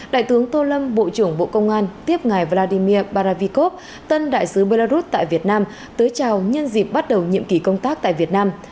đại tướng tô lâm bộ trưởng bộ công an tiếp ngài vladimir baravikov tân đại sứ belarus tại việt nam tới chào nhân dịp bắt đầu nhiệm kỳ công tác tại việt nam